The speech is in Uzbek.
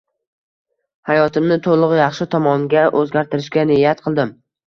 Hayotimni to’liq yaxshi tomonga o’zgartirishga niyat qildim.